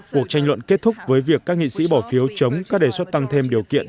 cuộc tranh luận kết thúc với việc các nghị sĩ bỏ phiếu chống các đề xuất tăng thêm điều kiện